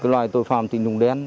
loài tội phạm tín dụng đen